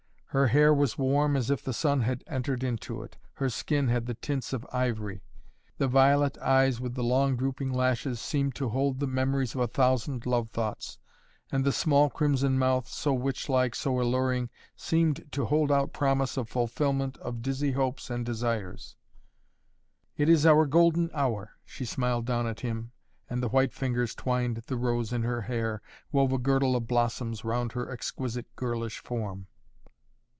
Her hair was warm as if the sun had entered into it. Her skin had the tints of ivory. The violet eyes with the long drooping lashes seemed to hold the memories of a thousand love thoughts. And the small, crimson mouth, so witch like, so alluring, seemed to hold out promise of fulfilment of dizzy hopes and desires. "It is our golden hour," she smiled down at him, and the white fingers twined the rose in her hair, wove a girdle of blossoms round her exquisite, girlish form.